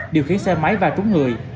điều khiến xe máy và trúng người